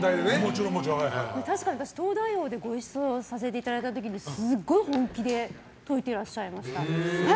確かに「東大王」でご一緒させていただいた時にすごい本気で解いてらっしゃいました。